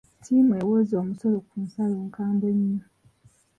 Ttiimu ewooza omusolo ku nsalo nkambwe nnyo.